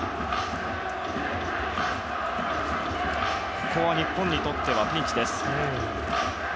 ここは日本にとってはピンチです。